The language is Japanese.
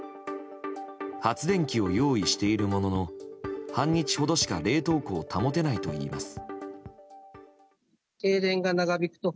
発電機を用意しているものの半日ほどしか冷凍庫を保てないといいます。